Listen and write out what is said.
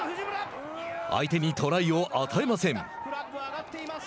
相手にトライを与えません。